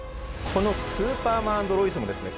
この「スーパーマン＆ロイス」もですね